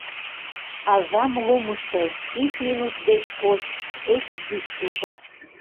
Азам лумышто ик минут деч коч ышт йӱштылтӧ.